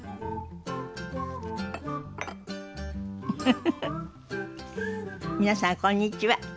フフフフ皆さんこんにちは。